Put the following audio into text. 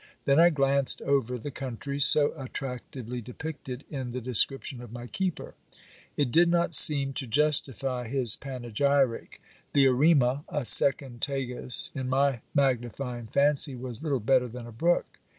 Then I glanced over the country, so attractively depicted in the description of my keeper. It did not seem to justify his panegyric. The Erema, a second Tagus in my magnifying fancy, was little better than a brook.